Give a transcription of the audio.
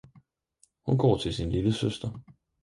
Hun går til sin lille søster!